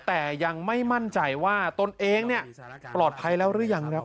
แต่ยังไม่มั่นใจว่าตนเองปลอดภัยแล้วหรือยังครับ